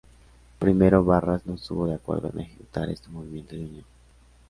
Primero, Barras no estuvo de acuerdo en ejecutar este movimiento de unión.